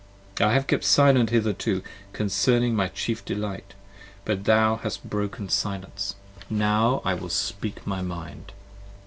I have kept silent hitherto, Concerning my chief delight: but thou hast broken silence; 8 Now I will speak my mind!